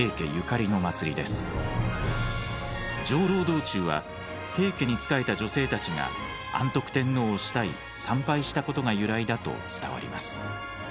道中は平家に仕えた女性たちが安徳天皇を慕い参拝したことが由来だと伝わります。